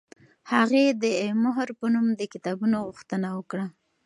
هغې د مهر په نوم د کتابونو غوښتنه وکړه.